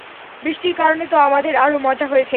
বৃষ্টির কারণে তো আমাদের, আরও মজা হয়েছে।